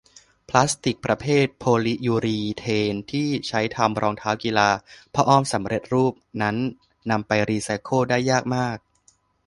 พลาสติกประเภทโพลิยูรีเทนที่ใช้ทำรองเท้ากีฬา ผ้าอ้อมสำเร็จรูป นั้นนำไปรีไซเคิลได้ยากมาก